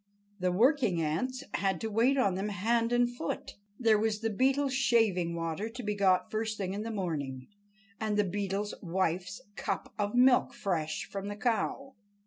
The working ants had to wait on them hand and foot. There was the Beetle's shaving water to be got first thing in the morning, and the Beetle's wife's cup of milk fresh from the cow.